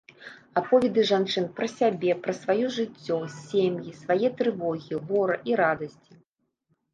Аповеды жанчын пра сабе, пра сваё жыццё, сем'і, свае трывогі, гора і радасці.